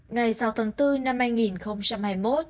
ngày sáu tháng bốn năm hai nghìn hai mươi một